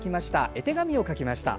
絵手紙を描きました。